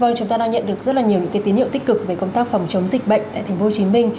vâng chúng ta đã nhận được rất là nhiều tín hiệu tích cực về công tác phòng chống dịch bệnh tại tp hcm